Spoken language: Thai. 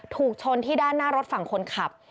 ถูกชนที่ด้านหน้ารถฝั่งคนขับ